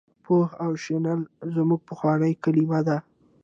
پوهه او شنل زموږ پخوانۍ کلمې دي.